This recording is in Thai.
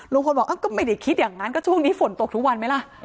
ลุงพลบอกก็ไม่ได้คิดอย่างนั้นก็ช่วงนี้ฝนตกทุกวันไหมล่ะ